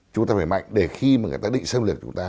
chúng ta phải mạnh để khi mà người ta định xâm lược chúng ta